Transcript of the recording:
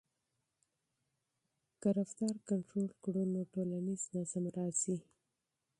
که رفتار کنټرول کړو نو ټولنیز نظم راځي.